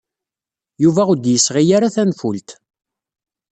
Yuba ur d-yesɣi ara tanfult.